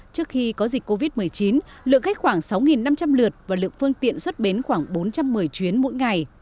trước khi có dịch covid một mươi chín lượng khách khoảng sáu năm trăm linh lượt và lượng phương tiện xuất bến khoảng bốn trăm một mươi chuyến mỗi ngày